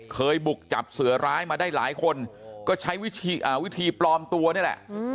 เคยบุกจับเสือร้ายมาได้หลายคนก็ใช้วิธีปลอมตัวนี่แหละ